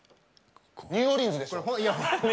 ニューオーリンズでしょ。